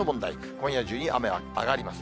今夜中に雨は上がります。